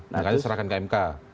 nah itu diserahkan ke mk